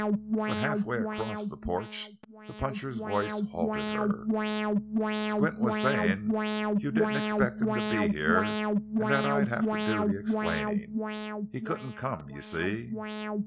But half way across the porch the puncher's voice halted her: "Squint was sayin' you didn't expect him to be here, an' that I'd have to do the explainin'. He couldn't come, you see."